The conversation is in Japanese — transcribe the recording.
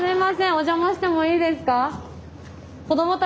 お邪魔してもいいですか？